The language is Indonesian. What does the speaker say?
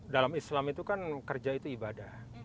dalam islam itu kan kerja itu ibadah